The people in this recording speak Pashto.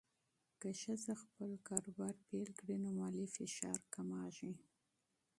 که ښځه خپل کاروبار پیل کړي، نو مالي فشار کمېږي.